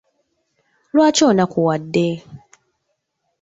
Lwaki onakuwadde?